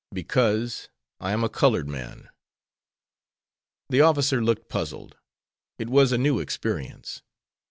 "Because I am a colored man." The officer look puzzled. It was a new experience.